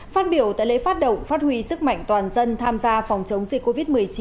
phát biểu tại lễ phát động phát huy sức mạnh toàn dân tham gia phòng chống dịch covid một mươi chín